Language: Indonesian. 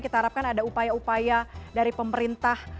kita harapkan ada upaya upaya dari pemerintah